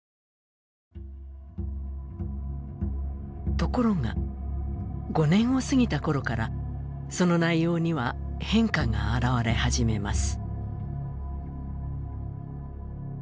ところが５年を過ぎたころからその内容には変化が現れ始めます。